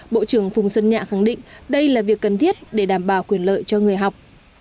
bộ trưởng phùng xuân nhạ khẳng định đây là việc cần thiết để đảm bảo quyền lợi cho người học